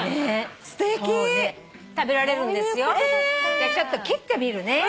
じゃちょっと切ってみるね。